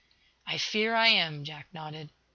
'" "I fear I am," Jack nodded.